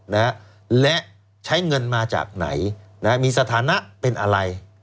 นะฮะและใช้เงินมาจากไหนนะฮะมีสถานะเป็นอะไร